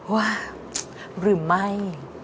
ว่าหรือไม่